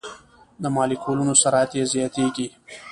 د مالیکولونو سرعت یې زیاتیږي.